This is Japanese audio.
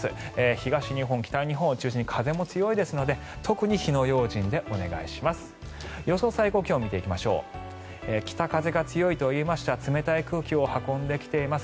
東日本、北日本を中心に風も強いですので特に火の用心でお願いします。